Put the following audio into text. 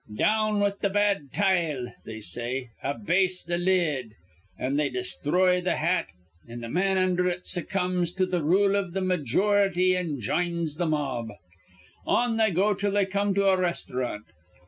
Down with th' bad tile!' they say. 'A base th' lid!' An' they desthroy th' hat, an' th' man undher it succumbs to th' rule iv th' majority an' jines th' mob. On they go till they come to a restaurant.